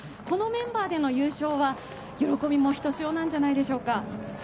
このメンバーでの優勝は喜びもひとしおなんじゃないでしょうか。